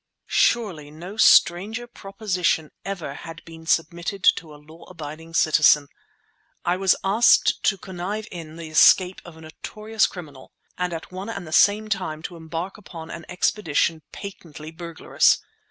Surely no stranger proposition ever had been submitted to a law abiding citizen. I was asked to connive in the escape of a notorious criminal, and at one and the same time to embark upon an expedition patently burglarious!